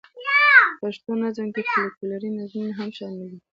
په پښتو نظم کې فوکلوري نظمونه هم شامل دي.